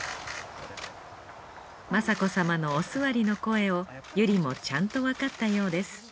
雅子さまのおすわりの声を由莉もちゃんとわかったようです。